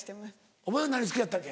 お前は何好きやったっけ？